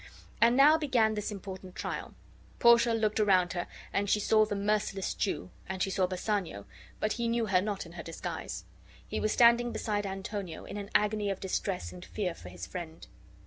And now began this important trial. Portia looked around her and she saw the merciless Jew; and she saw Bassanio, but he knew her not in her disguise. He was standing beside Antonio, in an agony of distress and fear for his friend.